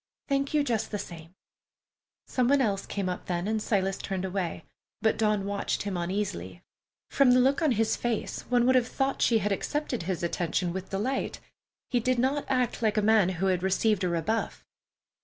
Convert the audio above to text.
Thank you just the same." Some one else came up then, and Silas turned away, but Dawn watched him uneasily. From the look on his face, one would have thought she had accepted his attention with delight. He did not act like a man who had received a rebuff.